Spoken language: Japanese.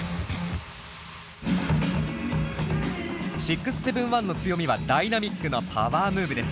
６７１の強みはダイナミックなパワームーブです。